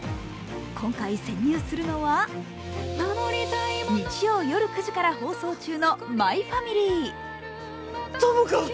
今回潜入するのは日曜夜９時から放送中の「マイファミリー」。